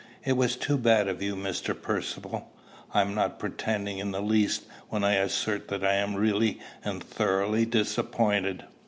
It was too bad of you, Mr. Percivale! I am not pretending in the least when I assert that I am really and thoroughly disappointed."